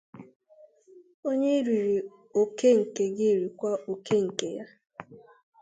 Onye iriri oke nke gị rikwa oke nke ya